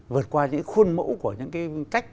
vượt qua những khuôn mẫu của những cái cách